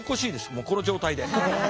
もうこの状態で。